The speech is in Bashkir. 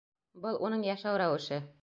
Был — уның йәшәү рәүеше.